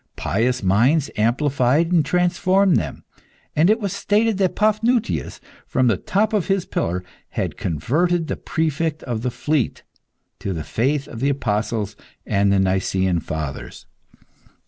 Pious minds amplified and transformed them, and it was stated that Paphnutius, from the top of his pillar, had converted the Prefect of the Fleet to the faith of the apostles and the Nicaean fathers.